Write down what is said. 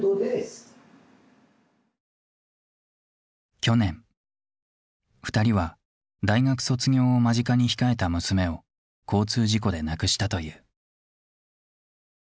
去年２人は大学卒業を間近に控えた娘を交通事故で亡くしたという。